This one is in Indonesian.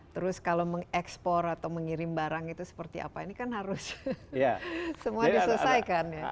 terus kalau mengekspor atau mengirim barang itu seperti apa ini kan harus semua diselesaikan ya